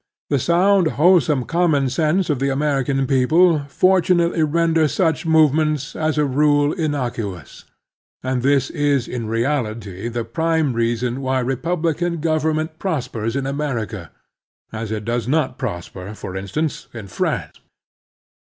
The soimd, whole some common sense of the American people for timately renders such movements, as a rule, innocuous; and this is, in reality, the prime reason why republican government prospers in America, as it does not prosper, for instance, in France.